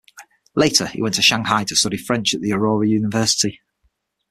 Later he went to Shanghai to study French at the Aurora University.